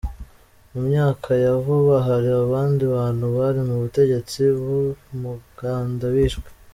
Mu myaka ya vuba hari abandi bantu bari mu bategetsi b'Ubuganda bishwe.